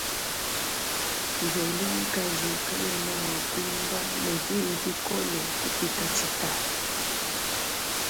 Nzolo mukaji kayena mua kuimba ne diyi kikole kupita tshitala.